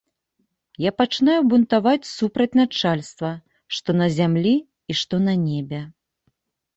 Я пачынаю бунтаваць супроць начальства, што на зямлі і што на небе.